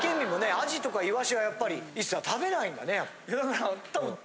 アジとかイワシはやっぱりＩＳＳＡ食べないんだね。